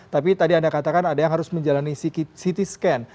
tapi tadi anda katakan ada yang harus menjalani ct scan